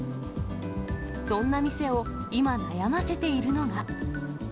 そんな店を今、悩ませているのが。